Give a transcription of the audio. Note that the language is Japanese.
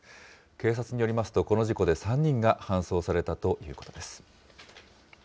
警察によりますと、この事故で３人が搬送されたということです。